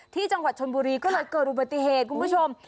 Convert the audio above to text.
ที่จังหวัดชนบุรีก็เลยเกิดอุบัติเหตุคุณผู้ชม